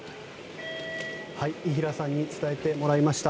伊平さんに伝えてもらいました。